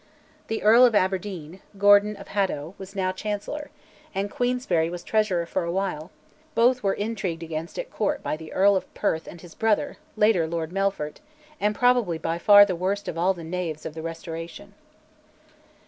The Earl of Aberdeen (Gordon of Haddo) was now Chancellor, and Queensberry was Treasurer for a while; both were intrigued against at Court by the Earl of Perth and his brother, later Lord Melfort, and probably by far the worst of all the knaves of the Restoration.